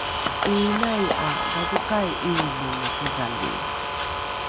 ’iinai ’a gakokai ’iobongo kodhali?